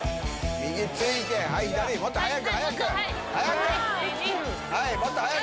右ついて、はい、もっと速く、速く。